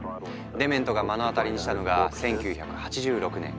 デメントが目の当たりにしたのが１９８６年。